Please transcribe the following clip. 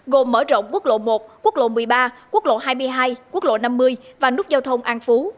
gồm mở rộng quốc lộ một quốc lộ một mươi ba quốc lộ hai mươi hai quốc lộ năm mươi và nút giao thông an phú